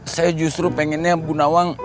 saya justru pengennya bu nawang